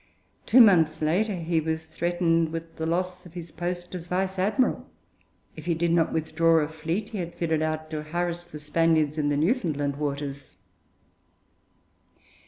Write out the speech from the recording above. Two months later he was threatened with the loss of his post as Vice Admiral if he did not withdraw a fleet he had fitted out to harass the Spaniards in the Newfoundland waters.